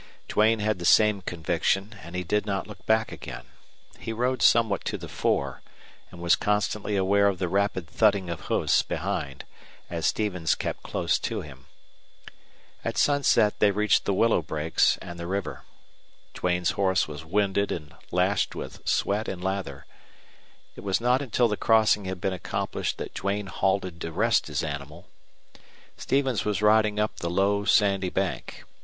Duane had the same conviction, and he did not look back again. He rode somewhat to the fore, and was constantly aware of the rapid thudding of hoofs behind, as Stevens kept close to him. At sunset they reached the willow brakes and the river. Duane's horse was winded and lashed with sweat and lather. It was not until the crossing had been accomplished that Duane halted to rest his animal. Stevens was riding up the low, sandy bank.